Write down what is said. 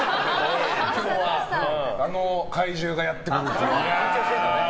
今日はあの怪獣がやってくるという。